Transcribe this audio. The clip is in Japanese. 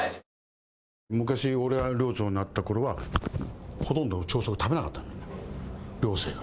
昔、俺が寮長になったころはほとんど朝食を食べなかった寮生が。